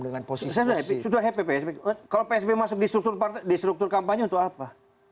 dengan posisi posisi sudah happy kalau psb masuk di struktur partai di struktur kampanye untuk apa